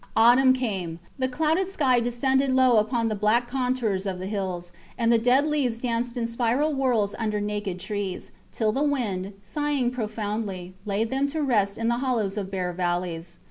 Autumn came. The clouded sky descended low upon the black contours of the hills; and the dead leaves danced in spiral whirls under naked trees, till the wind, sighing profoundly, laid them to rest in the hollows of bare valleys.